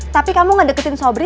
tapi kamu gak suka sama sobri